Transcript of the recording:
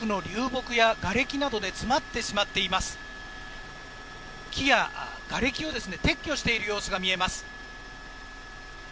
木や、がれきを撤去している様子が見えます。